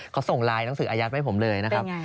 เขาส่งไลน์หนังสืออายัดไว้ผมเลยนะครับ